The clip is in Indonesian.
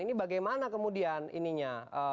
ini bagaimana kemudian ininya